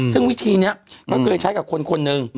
ซึ่งวิธีนี้นั้นก็เคยใช้กับคนหนึ่ง